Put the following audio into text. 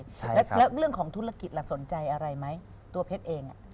แล้วเรื่องของธุรกิจล่ะสนใจอะไรไหมตัวเพชรเอง